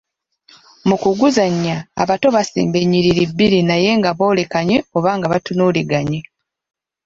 "Mu kuguzannya, abato basimba ennyiriri bbiri naye nga boolekanye oba nga batunuuliganye."